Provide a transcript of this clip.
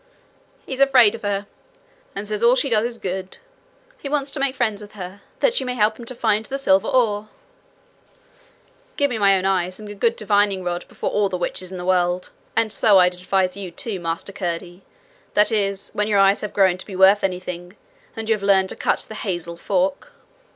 'He's afraid of her!' 'And says all she does is good!' 'He wants to make friends with her, that she may help him to find the silver ore.' 'Give me my own eyes and a good divining rod before all the witches in the world! And so I'd advise you too, Master Curdie; that is, when your eyes have grown to be worth anything, and you have learned to cut the hazel fork.'